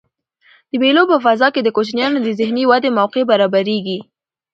د مېلو په فضا کښي د کوچنيانو د ذهني ودي موقع برابریږي.